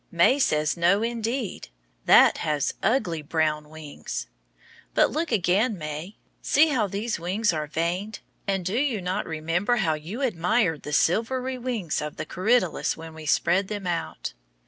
May says no, indeed; that has ugly brown wings. But look again, May. See how these wings are veined, and do you not remember how you admired the silvery wings of the corydalus when we spread them out?